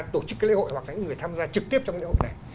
tổ chức cái lễ hội hoặc là những người tham gia trực tiếp trong lễ hội này